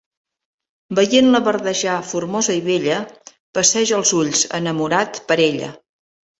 Veient-la verdejar formosa i bella, passeja els ulls, enamorat, per ella.